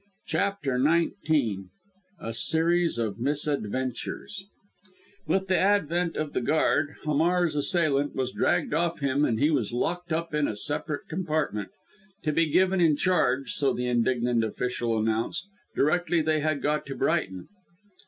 CHAPTER XIX A SERIES OF MISADVENTURES With the advent of the guard, Hamar's assailant was dragged off him, and he was locked up in a separate compartment, "to be given in charge," so the indignant official announced, directly they got to Brighton.